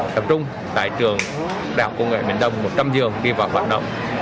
tập trung tại trường đạo công nghệ bình đông một trăm linh dường đi vào hoạt động